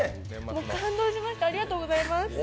感動しました、ありがとうございます。